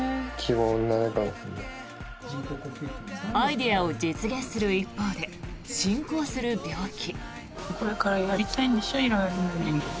アイデアを実現する一方で進行する病気。